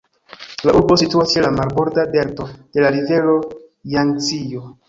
La urbo situas ĉe la marborda delto de la rivero Jangzio.